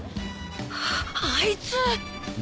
ああいつ。